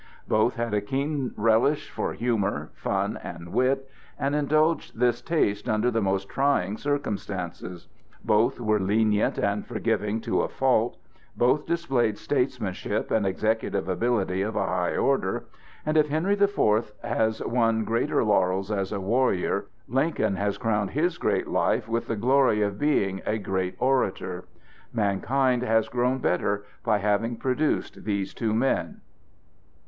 Both had a keen relish for humor, fun, and wit, and indulged this taste under the most trying circumstances; both were lenient and forgiving to a fault; both displayed statesmanship and executive ability of a high order; and if Henry the Fourth has won greater laurels as a warrior, Lincoln has crowned his great life with the glory of being a great orator. Mankind has grown better by having produced these two men.